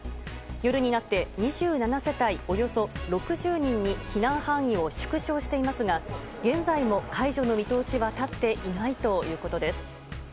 夜になって２７世帯およそ６０人に避難範囲を縮小していますが現在も解除の見通しは立っていないということです。